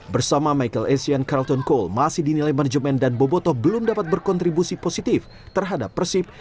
bersama michael essien carton cole masih dinilai manajemen dan boboto belum dapat berkontribusi positif terhadap persib